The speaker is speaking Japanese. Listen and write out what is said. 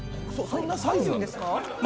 そんなサイズなんですか？